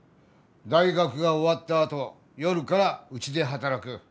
大学が終わったあと夜からうちで働く。